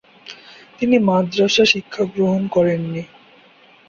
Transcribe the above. তিনি মাদ্রাসা শিক্ষা গ্রহণ করেননি।